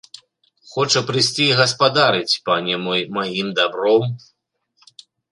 Хоча прыйсці і гаспадарыць, пане мой, маім дабром.